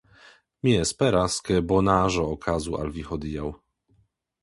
Mi esperas ke bonaĵo okazu al vi hodiaŭ.